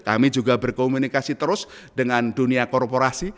kami juga berkomunikasi terus dengan dunia korporasi